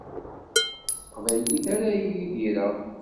S teqbaylit ara idireɣ.